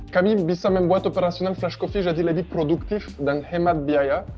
kami bisa membuat operasional fresh coffee jadi lebih produktif dan hemat biaya